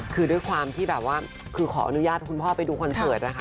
คือด้วยความที่แบบว่าคือขออนุญาตคุณพ่อไปดูคอนเสิร์ตนะคะ